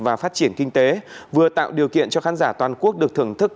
và phát triển kinh tế vừa tạo điều kiện cho khán giả toàn quốc được thưởng thức